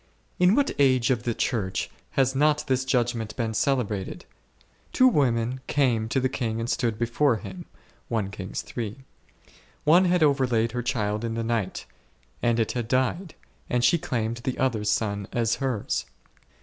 ] In what age of the Church has not this judg ment been celebrated ? Two women came to the king and stood before him a . One had overlaid her child in the night, and it had died, and she claimed the other's son as hers.